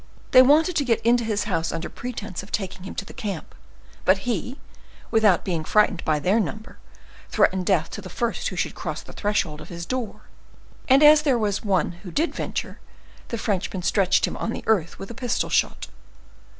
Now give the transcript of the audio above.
They wanted to get into his house under pretense of taking him to the camp; but he, without being frightened by their number, threatened death to the first who should cross the threshold of his door; and as there was one who did venture, the Frenchman stretched him on the earth with a pistol shot."